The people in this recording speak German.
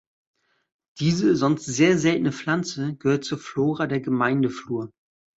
Diese, sonst sehr seltene Pflanze gehört zur Flora der Gemeindeflur.